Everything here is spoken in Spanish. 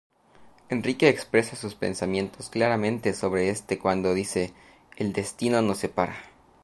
Enrique expresa sus pensamientos claramente sobre este cuando dice: "El destino nos separa.